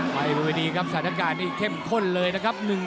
ไปบนวิธีครับสถานการณ์นี่เข้มข้นเลยนะครับ